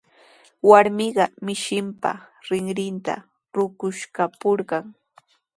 Warmiqa mishinpa rinrinta ruquskapurqan.